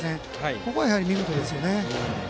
ここが見事ですよね。